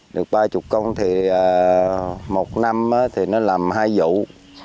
được ba mươi công thì một năm thì nó làm hai vụ